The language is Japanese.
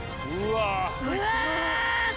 うわ！